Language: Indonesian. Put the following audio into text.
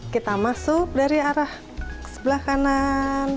kita masuk dari arah sebelah kanan